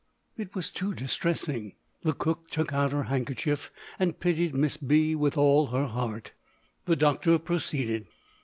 It was too distressing. The cook took out her handkerchief, and pitied Miss B. with all her heart. The doctor proceeded.